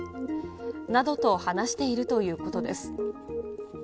などと話しているということです。